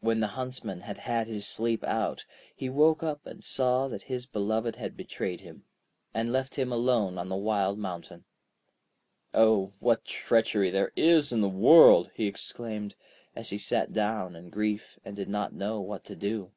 When the Huntsman had had his sleep out, he woke up and saw that his beloved had betrayed him, and left him alone on the wild mountain. 'Oh, what treachery there is in the world!' he exclaimed, as he sat down in grief, and did not know what to do.